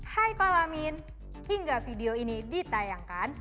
hai kolamin hingga video ini ditayangkan